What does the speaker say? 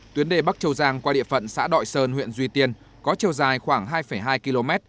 tuyến đề bắc châu giang qua địa phận xã đội sơn huyện duy tiên có chiều dài khoảng hai hai km